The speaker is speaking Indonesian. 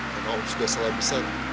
karena om sudah salah besar